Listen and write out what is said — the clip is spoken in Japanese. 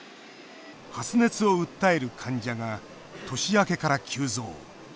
発熱を訴える患者が年明けから急増。